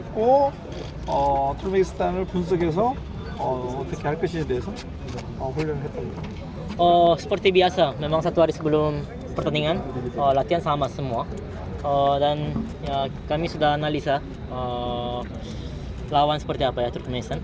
kita sudah melakukan latihan sama semua dan kami sudah analisa lawan seperti apa ya turkmenistan